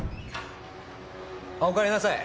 あっおかえりなさい。